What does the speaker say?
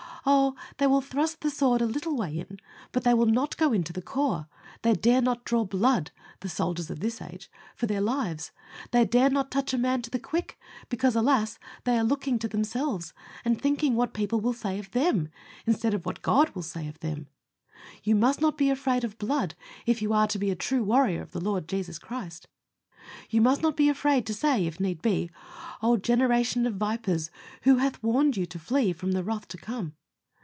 Oh! they will thrust the sword a little way in, but they will not go in to the core. They dare not draw blood the soldiers of this age for their lives. They dare not touch a man to the quick, because, alas! they are looking to themselves, and thinking what people will say of THEM, instead of what God will say of them. You must not be afraid of blood if you are to be a true warrior of the Lord Jesus Christ. You must not be afraid to say, if need be, "Oh! generation of vipers, who hath warned you to flee from the wrath to come?